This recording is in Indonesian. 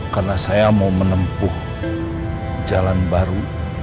karena saya mau menempuh jalan baru